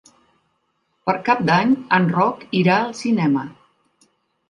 Per Cap d'Any en Roc irà al cinema.